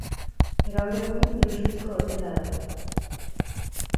Gaur egun luxuzko hotela da.